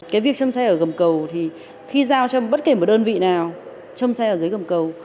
cái việc châm xe ở gầm cầu thì khi giao cho bất kể một đơn vị nào châm xe ở dưới gầm cầu